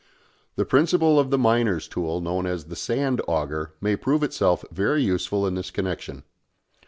The principle of the miner's tool known as the "sand auger" may prove itself very useful in this connection.